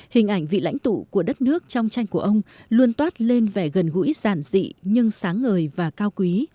hình ảnh vị lãnh tụ của đất nước trong tranh của ông luôn toát lên vẻ gần gũi giản dị nhưng sáng ngời và cao quý